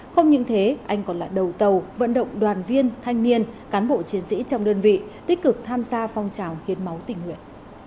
không những thế anh còn là đầu tàu vận động đoàn viên thanh niên cán bộ chiến sĩ trong đơn vị tích cực tham gia phong trào hiến máu tình nguyện